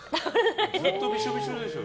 ずっとびしょびしょでしょ。